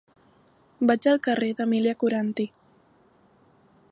Vaig al carrer d'Emília Coranty.